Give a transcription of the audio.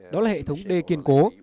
đó là hệ thống đê kiên cố